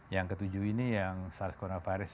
yang ketujuh ini yang sars cov